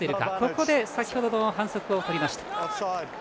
ここで先ほどの反則をとりました。